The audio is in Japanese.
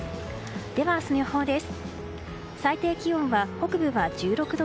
では、明日の予報です。